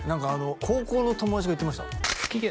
高校の友達が言ってました